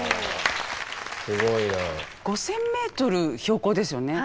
５，０００ｍ標高ですよね。